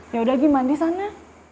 yaudah gimana disana